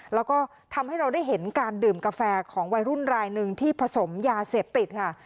แล้วก็ทำให้เราได้เห็นการดื่มกาแฟของวัยรุ่นรายหนึ่งที่ผสมยาเสพติดค่ะ